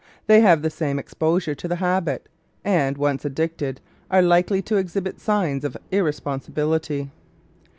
They have the same exposure to the habit, and, once addicted, are likely to exhibit signs of irresponsibility.